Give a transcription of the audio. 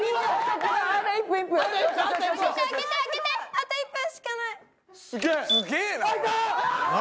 あと１分しかない！